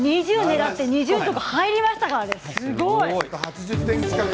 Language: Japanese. ２０狙って２０に入れましたからね。